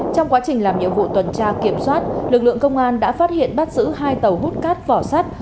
trong quá trình làm nhiệm vụ tuần tra kiểm soát lực lượng công an đã phát hiện bắt giữ hai tàu hút cát vỏ sắt